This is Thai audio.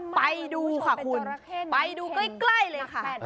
ไปดูค่ะคุณไปดูใกล้เลยค่ะ